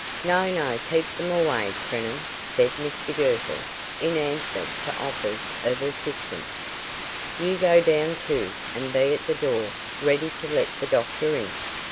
"No, no; keep them away, Preenham," said Mr Girtle, in answer to offers of assistance. "You go down, too, and be at the door, ready to let the doctor in."